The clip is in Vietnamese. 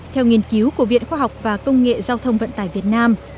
theo nghiên cứu của viện khoa học và công nghệ giao thông vận tải việt nam